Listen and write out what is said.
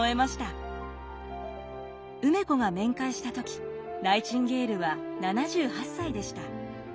梅子が面会した時ナイチンゲールは７８歳でした。